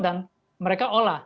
dan mereka olah